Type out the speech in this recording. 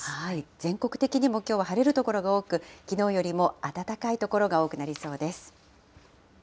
全国的にもきょうは晴れる所が多く、きのうよりも暖かい所が多くなりそうです。